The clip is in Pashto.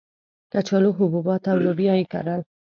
کچالو، حبوبات او لوبیا یې کرل.